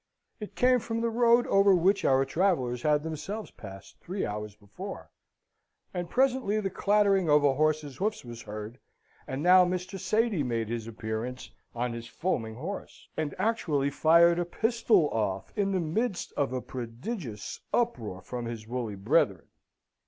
It came from the road over which our travellers had themselves passed three hours before, and presently the clattering of a horse's hoofs was heard, and now Mr. Sady made his appearance on his foaming horse, and actually fired a pistol off in the midst of a prodigious uproar from his woolly brethren.